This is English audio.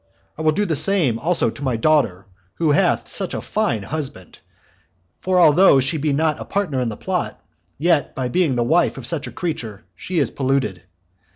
I will do the same also to my daughter, who hath such a fine husband; for although she be not a partner in the plot, yet, by being the wife of such a creature, she is polluted.